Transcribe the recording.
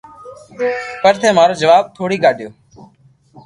پر ٿي مارو خواب توڙي ڪاڌيو